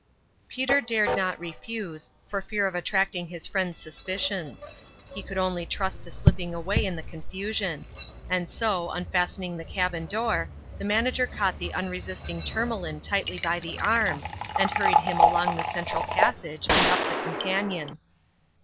Peter dared not refuse, for fear of attracting his friend's suspicions. He could only trust to slipping away in the confusion ; and so, un fastening the cabin door, the manager caught the unresisting Tourmalin tightly by the arm, and hurried him along the central passage and up the companion.